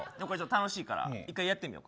楽しいから一回やってみよう。